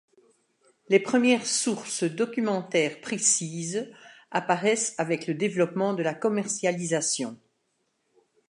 Les premières sources documentaires précises apparaissent avec le développement de la commercialisation.